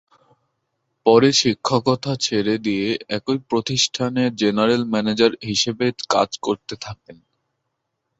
পরে শিক্ষকতা ছেড়ে দিয়ে একই প্রতিষ্ঠানে 'জেনারেল ম্যানেজার' হিসেবে কাজ করতে থাকেন।